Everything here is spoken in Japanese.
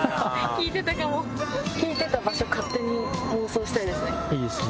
聴いてた場所勝手に妄想したいですね。